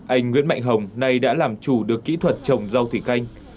anh nguyễn mạnh hồng nay đã làm chủ được kỹ thuật trồng rau thủy canh